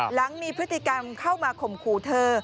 หลังมีพฤติกรรมเข้ามาข่มขู่เธอ